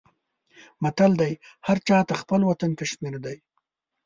متل دی: هر چاته خپل وطن کشمیر دی.